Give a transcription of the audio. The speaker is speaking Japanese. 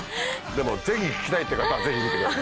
でもぜひ聞きたいって方ぜひ見てください。